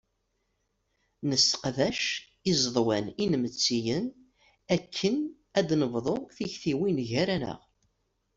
Nesseqdac iẓeḍwan inmettiyen akken ad nebḍu tiktiwin gar-aneɣ.